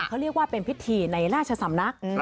เขาเรียกว่าเป็นพิธีในราชสำนัก